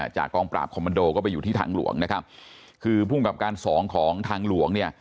จากกองปราบคอมมันโดก็ไปอยู่ที่ทางหลวงนะครับคือภูมิกับการสองของทางหลวงเนี่ย